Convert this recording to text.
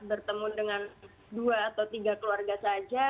bertemu dengan dua atau tiga keluarga saja